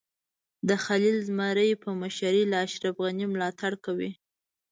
د خلیل زمر په مشرۍ له اشرف غني ملاتړ کوي.